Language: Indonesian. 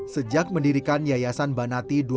sejak mendirikan yayasan banati